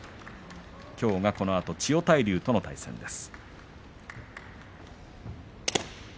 きょうはこのあと千代大龍との対戦です。